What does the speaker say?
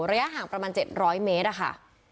ระยะห่างประมาณ๗๐๐เมตรอะค่ะ